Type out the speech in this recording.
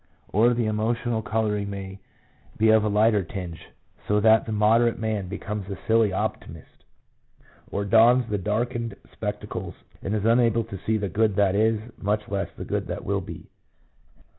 Or the emotional colouring may be of a lighter tinge, so that the moderate man becomes a silly optimist, or dons the darkened spectacles, and is unable to see the good that is, much less the good that will be."